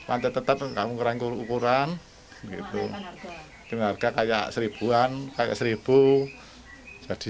achten tetap ngomong keringku ukuran itu kita kayak seribuan kayak seribu jadi